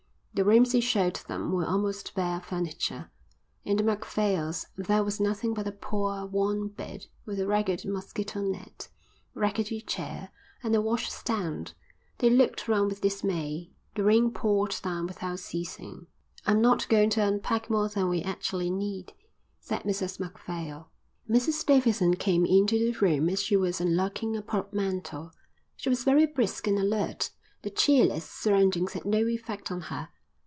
The rooms he showed them were almost bare of furniture. In the Macphails' there was nothing but a poor, worn bed with a ragged mosquito net, a rickety chair, and a washstand. They looked round with dismay. The rain poured down without ceasing. "I'm not going to unpack more than we actually need," said Mrs Macphail. Mrs Davidson came into the room as she was unlocking a portmanteau. She was very brisk and alert. The cheerless surroundings had no effect on her.